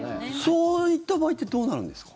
そういった場合ってどうなるんですか？